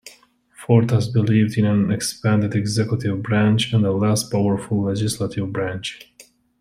Fortas believed in an expanded executive branch and a less powerful legislative branch.